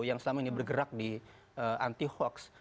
yang selama ini bergerak di anti hoax